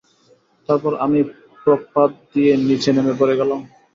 তারপর, আমি প্রপাত দিয়ে নিচে পড়ে গেলাম।